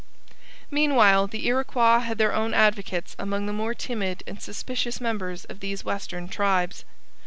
Meanwhile, the Iroquois had their own advocates among the more timid and suspicious members of these western tribes.